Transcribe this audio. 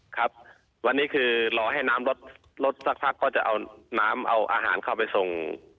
ครับวันนี้คือรอให้น้ำลดลดสักพักก็จะเอาน้ำเอาอาหารเข้าไปส่ง